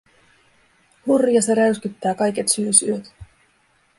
Hurja se räyskyttää kaiket syysyöt.